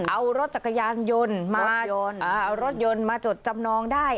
เอารถจักรยานยนต์มาจดจำนองได้